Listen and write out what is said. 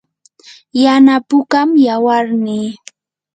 yana pukam yawarnii.